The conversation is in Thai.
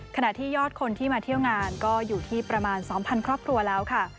ขณะที่ยอดคนที่มาเที่ยวงานก็อยู่ที่ประมาณ๒๐๐ครอบครัวแล้วค่ะ